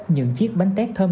những chiếc bánh tét thơm